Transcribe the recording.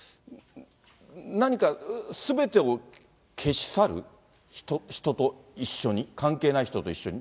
何か、すべてを消し去る、人と一緒に、関係ない人と一緒に。